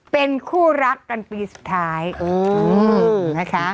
เป็นคู่รักกันปีสุดท้ายนะคะ